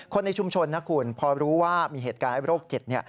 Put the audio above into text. ในชุมชนนะคุณพอรู้ว่ามีเหตุการณ์โรคจิต